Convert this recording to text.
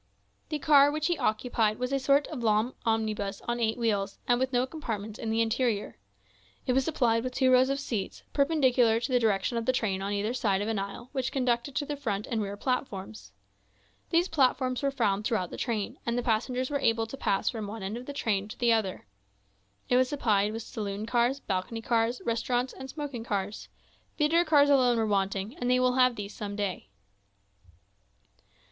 The car which he occupied was a sort of long omnibus on eight wheels, and with no compartments in the interior. It was supplied with two rows of seats, perpendicular to the direction of the train on either side of an aisle which conducted to the front and rear platforms. These platforms were found throughout the train, and the passengers were able to pass from one end of the train to the other. It was supplied with saloon cars, balcony cars, restaurants, and smoking cars; theatre cars alone were wanting, and they will have these some day.